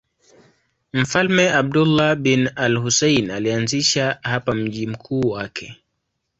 Mfalme Abdullah bin al-Husayn alianzisha hapa mji mkuu wake.